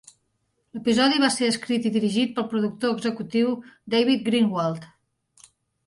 L'episodi va ser escrit i dirigit pel productor executiu David Greenwalt.